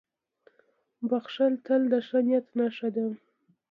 • بښل تل د ښه نیت نښه ده.